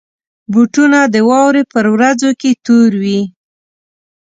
بوټونه د واورې پر ورځو کې تور وي.